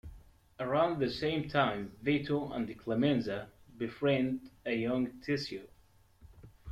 Around the same time, Vito and Clemenza befriend a young Tessio.